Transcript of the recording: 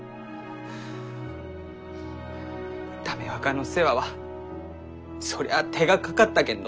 駄目若の世話はそりゃあ手がかかったけんど。